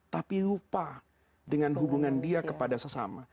tapi lupa dengan hubungan dia kepada sesama